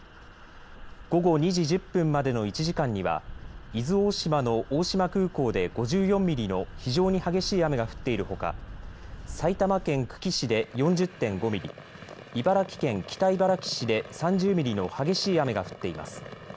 午後２時１０分までの１時間には伊豆大島の大島空港で５４ミリの非常に激しい雨が降っているほか埼玉県久喜市で４０．５ミリ、茨城県北茨城市で３０ミリの激しい雨が降っています。